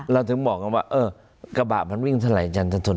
เราถึงบอกกันว่าเออกระบะมันวิ่งสลายจารย์สะทน